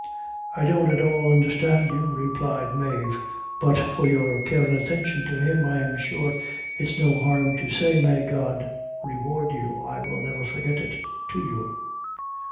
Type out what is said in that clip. "I don't at all understand you," replied Mave; "but for your care and attention to him, I'm sure it's no harm to say, may God reward you! I will never forget it to you."